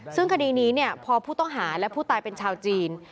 ซึ่งคดีนี้พอผู้ต้องหาและผู้ตายเป็นชาวจีน